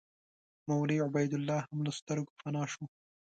مولوي عبیدالله هم له سترګو پناه شو.